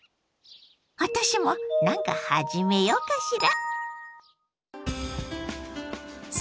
私も何か始めようかしら？